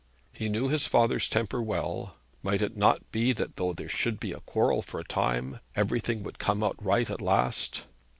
He knew his father's temper well. Might it not be that though there should be a quarrel for a time, everything would come right at last?